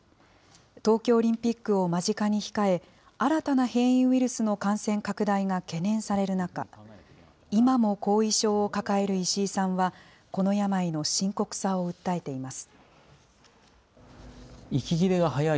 東京オリンピックを間近に控え、新たな変異ウイルスの感染拡大が懸念される中、今も後遺症を抱える石井さんは、この病の深刻さを訴えています。